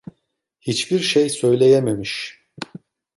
Hiçbir şey söyleyememiş.